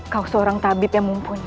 kau seorang tabib yang mumpuni